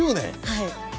はい。